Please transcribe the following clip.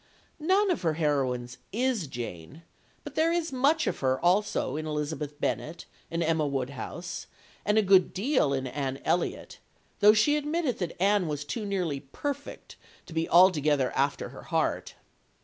None of her heroines is Jane, but there is much of her also in Elizabeth Bennet and Emma Woodhouse, and a good deal in Anne Elliot, though she admitted that Anne was too nearly perfect to be altogether after her heart.